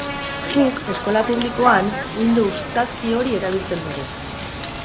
Guk, eskola publikoan, Windows zazpi hori erabiltzen dugu.